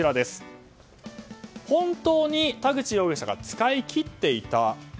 本当に田口容疑者が使い切っていた。